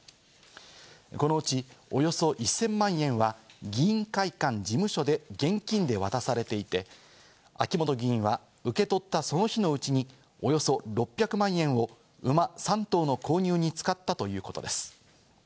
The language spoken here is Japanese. このうち、およそ１０００万円は議員会館事務所で現金で渡されていて、秋本議員は受け取ったその日のうちに、およそ６００万円を馬３頭の購入に使ったということです。